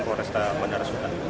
polresta bandara sudan